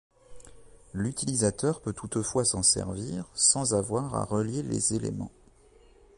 L'utilisateur peut toutefois s'en servir sans avoir à relier les éléments.